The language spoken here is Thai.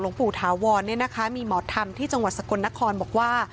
หลงปู่ถาวรเนี่ยนะคะมีมอดธรรมที่จังหวัดสกลนครบอกว่า